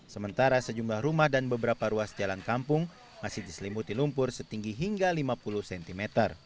sementara sejumlah rumah dan beberapa ruas jalan kampung masih diselimuti lumpur setinggi hingga lima puluh cm